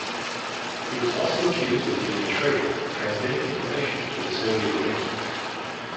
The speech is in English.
He was also accused of being a traitor, transmitting information to the Soviet Union.